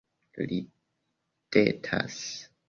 Ridetas